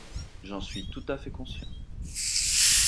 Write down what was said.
J’en suis tout à fait conscient.